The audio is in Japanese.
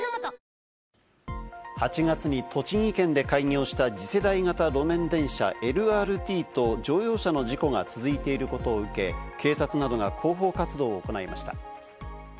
８月に栃木県で開業した次世代型路面電車・ＬＲＴと乗用車の事故が続いていることを受け、警察などが広報活動を行いました。